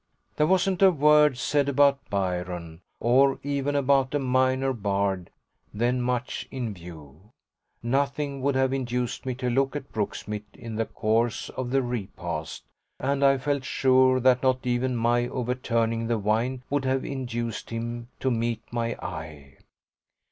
There wasn't a word said about Byron, or even about a minor bard then much in view. Nothing would have induced me to look at Brooksmith in the course of the repast, and I felt sure that not even my overturning the wine would have induced him to meet my eye.